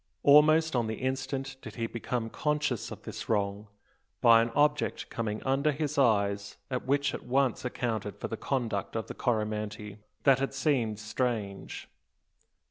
Almost on the instant did he become conscious of this wrong, by an object coming under his eyes and which at once accounted for the conduct of the Coromantee, that had seemed strange.